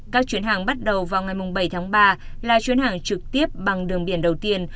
các chuyến hàng bắt đầu vào ngày bảy tháng ba là chuyến hàng trực tiếp bằng đường biển đầu tiên